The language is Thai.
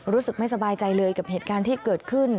รู้สึกไม่สบายใจเลยกับเหตุการณ์ที่เกิดขึ้น